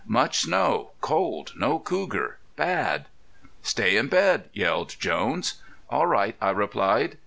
"Much snow cold no cougar bad!" "Stay in bed," yelled Jones. "All right," I replied.